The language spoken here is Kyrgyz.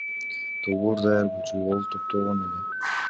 Долбоор даяр болчу, кол топтолгон эле.